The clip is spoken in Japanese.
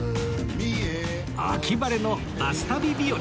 秋晴れのバス旅日和